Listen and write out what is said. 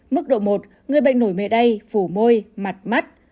mức độ một người bệnh nổi mệ đay phủ môi mặt mắt